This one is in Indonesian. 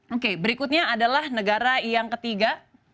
oke berikutnya adalah negara yang ketiga